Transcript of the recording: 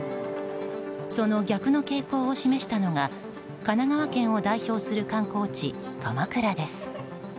その逆の傾向を示したのが神奈川県を代表する観光地鎌倉です。